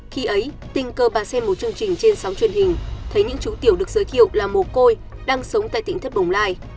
khi ấy tình cờ bà xem một chương trình trên sóng truyền hình thấy những chú tiểu được giới thiệu là mồ côi đang sống tại tỉnh thất bồng lai